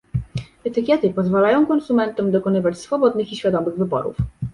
Etykiety pozwalają konsumentom dokonywać swobodnych i świadomych wyborów